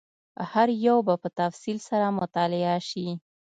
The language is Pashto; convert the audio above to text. هر یو به په تفصیل سره مطالعه شي.